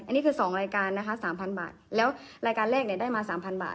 อันนี้คือสองรายการนะคะสามพันบาทแล้วรายการเลขเนี่ยได้มาสามพันบาท